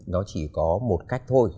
nó chỉ có một cách thôi